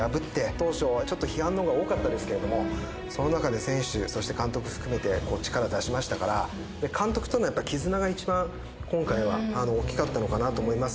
当初ちょっと批判の方が多かったですけれどもその中で選手そして監督含めて力出しましたから監督との絆が一番今回は大きかったのかなと思いますね。